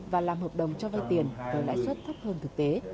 và làm hợp đồng cho vay tiền với lãi suất thấp hơn thực tế